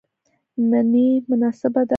منی مناسبه ده